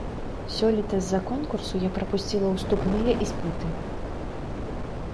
Сёлета з-за конкурсу я прапусціла уступныя іспыты.